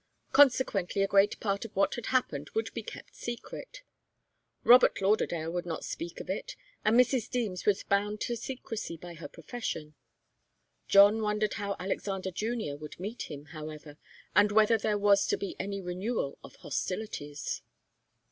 Consequently, a great part of what had happened would be kept secret. Robert Lauderdale would not speak of it, and Mrs. Deems was bound to secrecy by her profession. John wondered how Alexander Junior would meet him, however, and whether there was to be any renewal of hostilities.